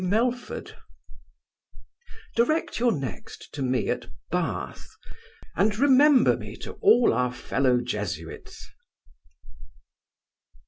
MELFORD Direct your next to me at Bath; and remember me to all our fellow jesuits.